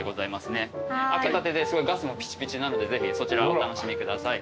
開けたてですごいガスもピチピチなのでぜひそちらお楽しみください。